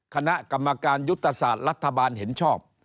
คณะกรรมการยุทธศาสตร์รัฐบาลเห็นชอบ